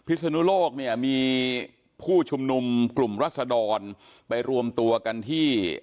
ศนุโลกเนี่ยมีผู้ชุมนุมกลุ่มรัศดรไปรวมตัวกันที่